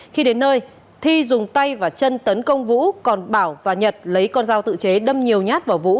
khi đến nơi thi dùng tay và chân tấn công vũ còn bảo và nhật lấy con dao tự chế đâm nhiều nhát vào vũ